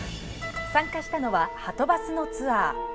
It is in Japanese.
参加したのは、はとバスのツアー。